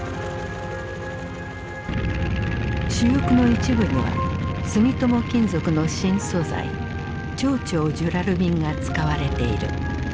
主翼の一部には住友金属の新素材超々ジュラルミンが使われている。